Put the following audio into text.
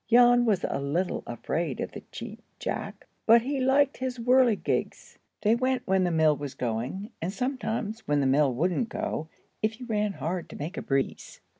Jan was a little afraid of the Cheap Jack, but he liked his whirligigs. They went when the mill was going, and sometimes when the mill wouldn't go, if you ran hard to make a breeze.